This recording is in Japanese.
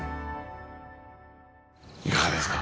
いかがですか？